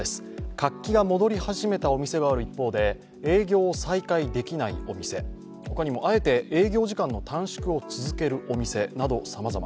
活気が戻り始めたお店がある一方で、営業を再開できないお店、他にもあえて営業時間の短縮を続けるお店など、さまざま。